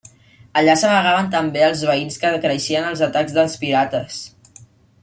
Allà s'amagaven també els veïns quan creixien els atacs dels pirates.